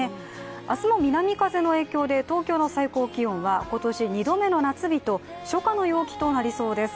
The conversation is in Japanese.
明日も南風の影響で東京の最高気温は今年２度目の夏日と初夏の陽気となりそうです。